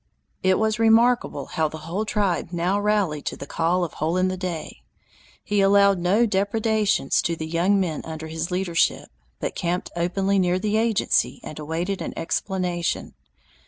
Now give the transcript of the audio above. It was remarkable how the whole tribe now rallied to the call of Hole in the Day. He allowed no depredations to the young men under his leadership, but camped openly near the agency and awaited an explanation.